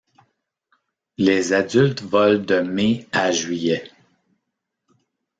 Les adultes volent de mai à juillet.